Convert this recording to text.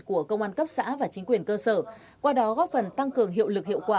của công an cấp xã và chính quyền cơ sở qua đó góp phần tăng cường hiệu lực hiệu quả